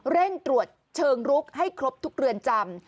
เร่งตรวจเชิงลุกให้ครบทุกเรือนจำ